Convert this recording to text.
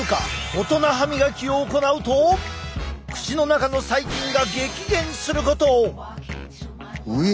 オトナ歯みがきを行うと口の中の細菌が激減することを！